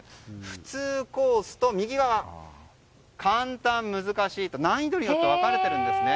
普通コースと簡単、難しいと難易度によって分かれているんですね。